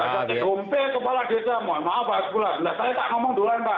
gak ada take home ke kepala desa maaf pak saya tak ngomong dolan pak